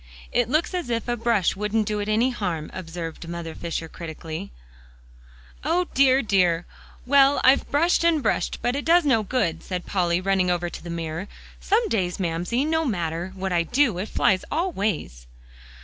"It looks as if a brush wouldn't do it any harm," observed Mother Fisher critically. "O dear, dear! well, I've brushed and brushed, but it does no good," said Polly, running over to the mirror; "some days, Mamsie, no matter what I do, it flies all ways."